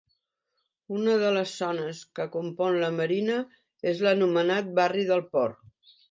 Una de les zones que compon la Marina és l'anomenat barri de Port.